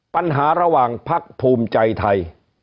ปัญหาระหว่างพักภูมิใจไทย